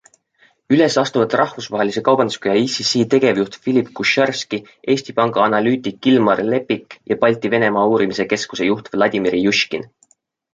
Üles astuvad Rahvusvahelise Kaubanduskoja ICC tegevjuht Philip Kucharski, Eesti Panga analüütik Ilmar Lepik ja Balti Venemaa Uurimise Keskuse juht Vladimir Jushkin.